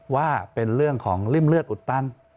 ว่าเป็นเรื่องของริ่มเลือดอุดตัน